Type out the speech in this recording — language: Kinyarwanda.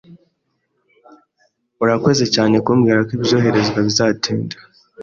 Urakoze cyane kumbwira ko ibyoherezwa bizatinda